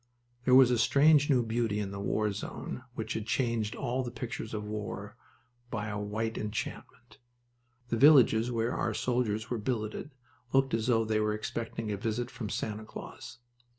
There was a strange, new beauty in the war zone which had changed all the pictures of war by a white enchantment. The villages where our soldiers were billeted looked as though they were expecting a visit from Santa Claus.